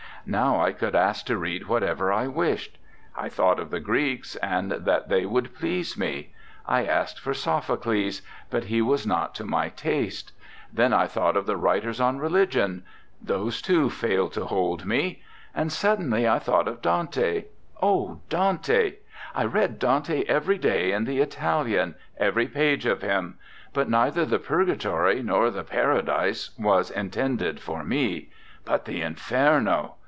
Now I could ask to read whatever I wished. I thought of the Greeks, and that they would please me. I asked for Sophocles, but he was not to my taste. Then I 59 RECOLLECTIONS OF OSCAR WILDE thought of the writers on religion; those, too, failed to hold me. And suddenly I thought of Dante. ... oh, Dante! I read Dante every day in the Italian, every page of him; but neither the Pur gatory nor the Paradise was intended for me. But the Inferno!